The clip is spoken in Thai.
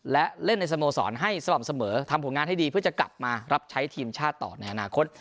และเล่นในสโมสรให้สม่ำเสมอทำผลงานให้ดีเพื่อจะกลับมารับใช้ทีมชาติต่อในอนาคต